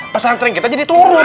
pesantren kita jadi turun